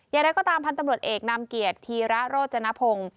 อย่างไรก็ตามพันธุ์ตำรวจเอกนำเกียรติธีระโรจนพงศ์